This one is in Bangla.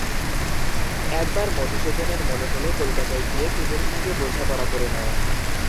একবার মধুসূদনের মনে হল কলতলায় গিয়ে কুমুর সঙ্গে বোঝাপড়া করে নেয়।